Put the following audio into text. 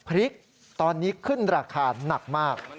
พริกตอนนี้ขึ้นราคาหนักมาก